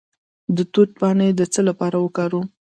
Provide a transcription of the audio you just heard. د توت پاڼې د څه لپاره وکاروم؟